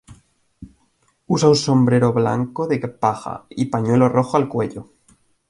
Usa un sombrero blanco de paja y pañuelo rojo al cuello.